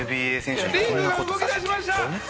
リングが動きだしました！